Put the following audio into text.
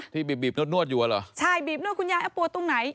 บีบีบนวดอยู่อ่ะเหรอใช่บีบนวดคุณยายเอาปวดตรงไหน